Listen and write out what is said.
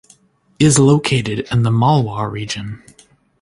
It is located in the Malwa region.